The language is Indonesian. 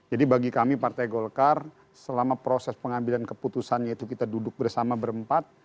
jadi bagi kami partai golkar selama proses pengambilan keputusannya itu kita duduk bersama berempat